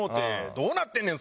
どうなってんねん？